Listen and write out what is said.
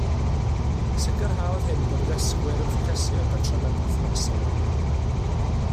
Sicrhaodd hyn bod y dysgwyr yn ffocysu ar batrymau perthnasol